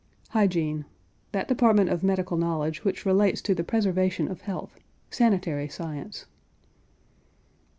HYGIENE. That department of medical knowledge which relates to the preservation of health; sanitary science.